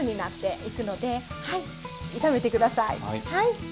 はい。